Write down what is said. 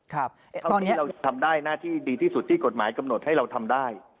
เท่านี้เราทำได้หน้าที่ดีที่สุดที่กฎหมายกำหนดให้เราทำได้